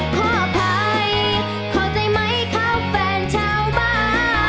ขออภัยขอใจไม่เข้าแฟนชาวบ้าน